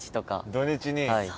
土日に。